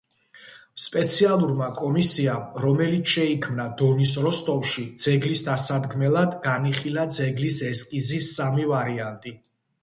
სპეციალურმა კომისიამ, რომელიც შეიქმნა დონის როსტოვში ძეგლის დასადგმელად, განიხილა ძეგლის ესკიზის სამი ვარიანტი.